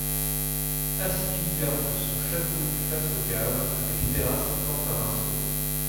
Aspis garde son château du face au gave, avec terrasse et porte à rinceaux.